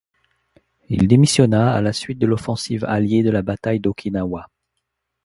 Il démissionna à la suite de l'offensive alliée de la bataille d'Okinawa.